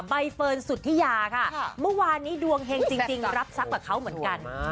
ใบเฟิร์นสุธิยาค่ะเมื่อวานนี้ดวงเฮงจริงรับทรัพย์กับเขาเหมือนกัน